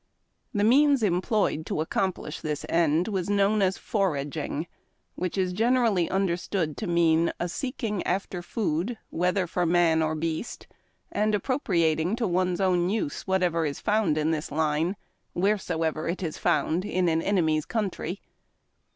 The means employed to accomplish this end was known as Foraging^ which is generally understood to mean a seeking after food, whether for man or beast, and appropriating to one's own use whatsoever is found in this line, wheresoever it is found in an enemy's country.